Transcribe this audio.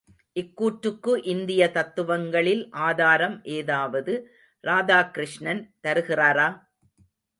இக்கூற்றுக்கு இந்திய தத்துவங்களில் ஆதாரம் ஏதாவது ராதாகிருஷ்ணன் தருகிறாரா?